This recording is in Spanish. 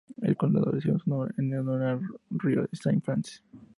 El condado recibe su nombre en honor al río Saint Francis.